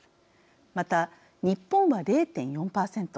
また日本は０．４％。